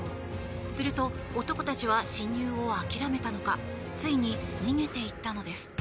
すると、男たちは侵入を諦めたのかついに逃げて行ったのです。